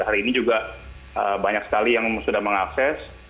hari ini juga banyak sekali yang sudah mengakses